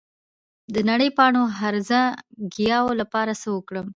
د نرۍ پاڼو هرزه ګیاوو لپاره څه وکړم؟